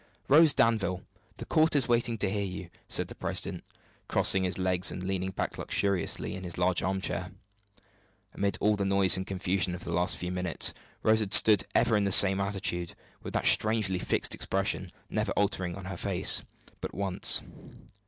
"Rose Danville, the court is waiting to hear you," said the president, crossing his legs and leaning back luxuriously in his large armchair. Amid all the noise and confusion of the last few minutes, Rose had stood ever in the same attitude, with that strangely fixed expression never altering on her face but once.